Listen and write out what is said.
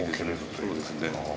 そうですね。